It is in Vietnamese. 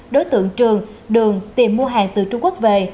đối tượng trường đường tìm mua hàng từ trung quốc về